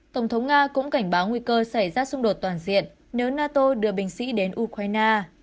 tổng thống nga cũng cảnh báo nguy cơ xảy ra xung đột toàn diện nếu nato đưa binh sĩ đến ukraine